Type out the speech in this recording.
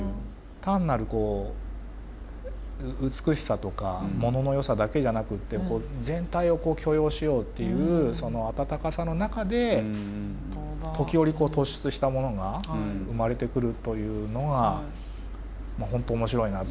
単なるこう美しさとか物のよさだけじゃなくって全体を許容しようっていうその温かさの中で時折突出したものが生まれてくるというのが本当面白いなと。